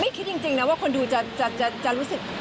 คิดจริงนะว่าคนดูจะรู้สึก